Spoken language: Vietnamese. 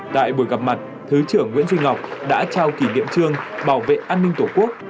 tại buổi gặp mặt thứ trưởng nguyễn duy ngọc đã trao kỷ niệm trương bảo vệ an ninh tổ quốc